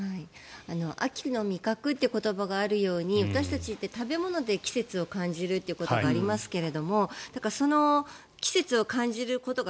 秋の味覚という言葉があるように私たちって食べ物で季節を感じることがありますけれどもその季節を感じることが